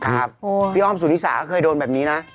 พี่อ้อมสุนิสาก็เคยโดนแบบนี้นะ